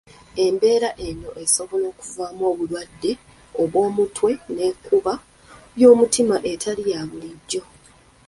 Embeera eno esobola okuvaamu obulwadde bw'omutwe n' enkuba y'omutima etali yabulijjo.